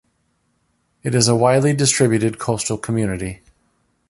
It is a widely distributed coastal community.